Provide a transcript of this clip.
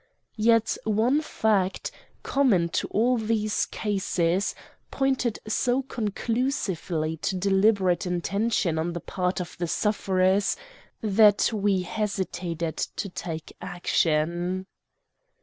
Yet one fact, common to all these cases, pointed so conclusively to deliberate intention on the part of the sufferers that we hesitated to take action.